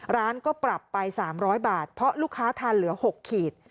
ร้านก็ปรับไป๓๐๐บาทเพราะลูกค้าทานเหลือ๖ขีด